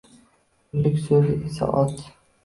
Pullik soʻzi esa ot